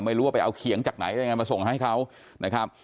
ไม่รู้ว่าไปเอาเขียงจากไหนได้ยังไงมาส่งให้เขานะครับ